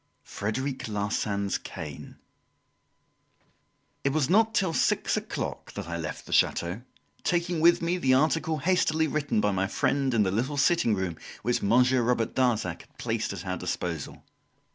Frederic Larsan's Cane It was not till six o'clock that I left the chateau, taking with me the article hastily written by my friend in the little sitting room which Monsieur Robert Darzac had placed at our disposal.